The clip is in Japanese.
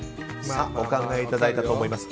お考えいただいたと思います。